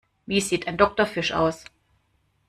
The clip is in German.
Wie sieht ein Doktorfisch aus?